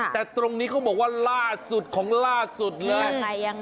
แต่ตรงนี้เขาบอกว่าล่าสุดของล่าสุดเลย